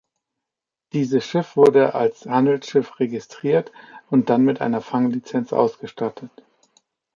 Dieses Schiff wurde als Handelsschiff registriert und dann mit einer Fanglizenz ausgestattet.